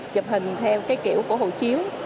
chụp hình theo cái kiểu của hồ chiếu